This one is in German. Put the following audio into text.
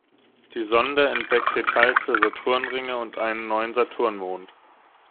Die Sonde entdeckte Details der Saturnringe und einen neuen Saturnmond.